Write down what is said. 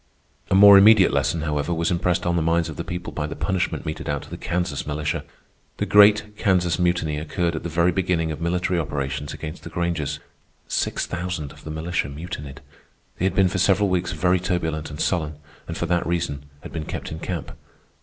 A more immediate lesson, however, was impressed on the minds of the people by the punishment meted out to the Kansas militia. The great Kansas Mutiny occurred at the very beginning of military operations against the Grangers. Six thousand of the militia mutinied. They had been for several weeks very turbulent and sullen, and for that reason had been kept in camp.